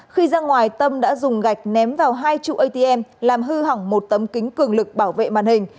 khi ra ngoài tâm đã dùng gạch ném vào hai trụ atm làm hư hỏng một tấm kính cường lực bảo vệ màn hình